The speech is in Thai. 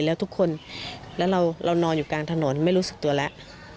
แล้วทุกคนแล้วเรานอนอยู่กลางถนนไม่รู้สึกตัวแล้ว